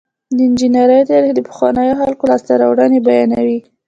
د انجنیری تاریخ د پخوانیو خلکو لاسته راوړنې بیانوي.